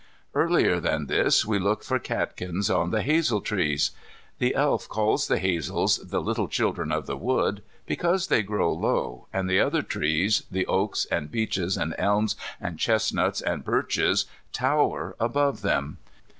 Earlier than this we look for catkins on the hazel trees. The Elf calls the hazels "the little children of the wood" because they grow low, and the other trees, the oaks, and beeches, and elms, and chest nuts, and birches, tower above them.